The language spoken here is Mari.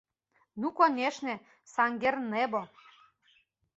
Ну конешне, Саҥгернэбо!